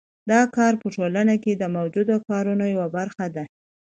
دا کار په ټولنه کې د موجودو کارونو یوه برخه ده